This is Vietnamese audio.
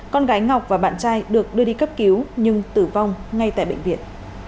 con gái ngọc và bạn trai được đưa đi cấp cứu nhưng tử vong ngay tại bệnh viện